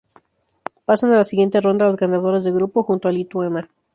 Pasan a la siguiente ronda las ganadoras de grupo, junto a Lituania.